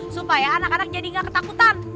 supaya anak anak jadi nggak ketakutan